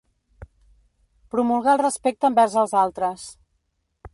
Promulgar el respecte envers els altres.